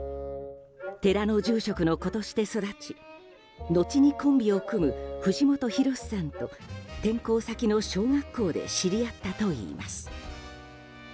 寺の住職の子として育ち後にコンビを組む藤本弘さんと転校先の小学校で知り合ったといいます。